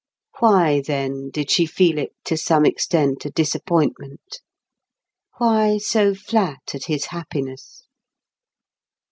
Why, then, did she feel it to some extent a disappointment? Why so flat at his happiness?